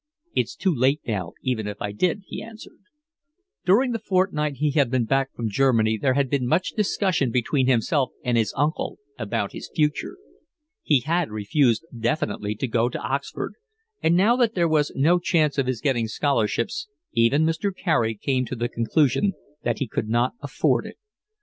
"It's too late now even if I did," he answered. During the fortnight he had been back from Germany there had been much discussion between himself and his uncle about his future. He had refused definitely to go to Oxford, and now that there was no chance of his getting scholarships even Mr. Carey came to the conclusion that he could not afford it.